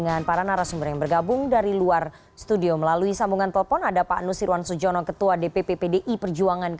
namun sebelum municipali